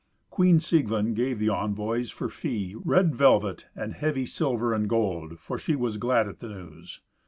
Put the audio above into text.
Queen Sieglind gave the envoys, for fee, red velvet and heavy silver and gold, for she was glad at the news.